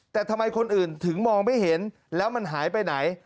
แต่ทำไมคนอื่นถึงมองไม่เห็นแล้วมันหายไปไหน